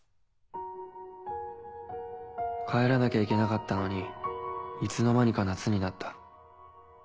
帰らなきゃいけなかったのにいつの間にか夏になった。